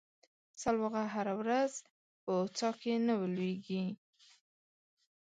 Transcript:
سلواغه هره ورځ په څا کې نه ولېږي.